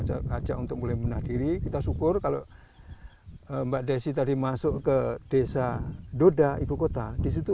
aja aja untuk mulai menadiri kita syukur kalau mbak desi tadi masuk ke desa doda ibukota disitu